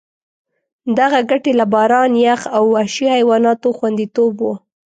دغه ګټې له باران، یخ او وحشي حیواناتو خوندیتوب وو.